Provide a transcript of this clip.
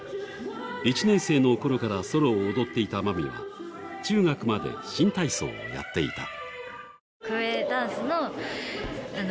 １年生のころからソロを踊っていたまみは中学まで新体操をやっていた。